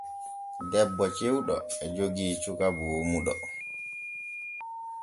Debbo cewɗo e jogii suka boomuɗo.